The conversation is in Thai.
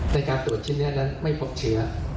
ในการตรวจชิ้นเนื้อนั้นไม่พบเชื้อ